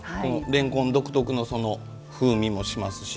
れんこん独特の風味もしますし。